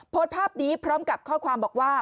โพสต์ภาพนี้พร้อมกับข้อความบอกว่า